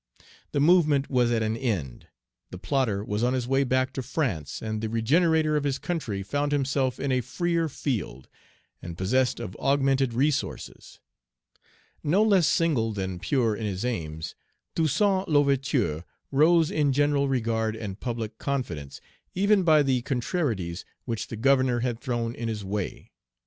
The movement was at an end. The plotter was on his way back to France, and the regenerator of his country found himself in a freer field, and possessed of augmented resources. No less single than pure in his aims, Toussaint L'Ouverture rose in general regard and public confidence, even by the contrarieties which the Governor had thrown in his way.